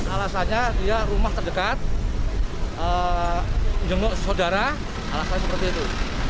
alasannya dia rumah terdekat menjenguk saudara alasannya seperti itu